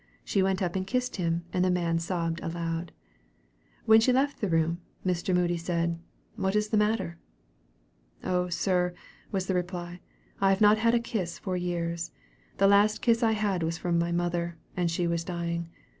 She went up and kissed him, and the man sobbed aloud. When she left the room, Mr. Moody said, "What is the matter?" "Oh sir," was the reply, "I have not had a kiss for years. The last kiss I had was from my mother, and she was dying.